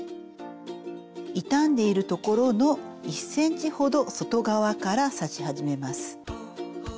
傷んでいる所の１ｃｍほど外側から刺し始めます。